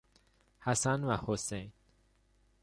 حسن و حسین